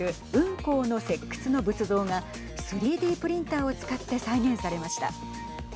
こうの石窟の仏像が３Ｄプリンターを使って再現されました。